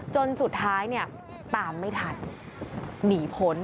จนสุดท้ายตามไม่ทันหนีผล